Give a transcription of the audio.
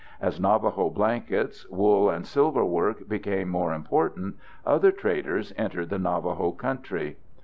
As Navajo blankets, wool, and silverwork became more important, other traders entered the Navajo country.